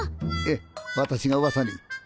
えっ私がうわさに？